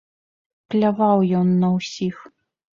Пляваў ён на ўсіх.